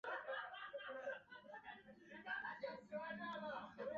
罗泽尔为美国堪萨斯州波尼县的一座城市。